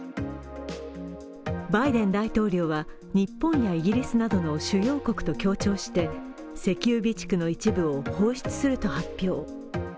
バイデン大統領は、日本やイギリスなどの主要国と協調して、石油備蓄の一部を行使すると発表。